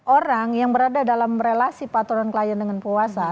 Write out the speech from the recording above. orang yang berada dalam relasi patron klien dengan penguasa